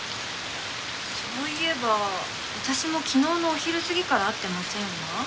そういえば私も昨日のお昼過ぎから会ってませんわ。